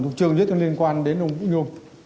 trương duy nhất liên quan đến ông vũ nhôm